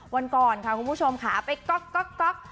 วันก่อนค่ะคุณผู้ชมค่ะไปก๊อก